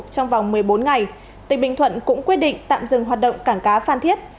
trong vòng một mươi bốn ngày tỉnh bình thuận cũng quyết định tạm dừng hoạt động cảng cá phan thiết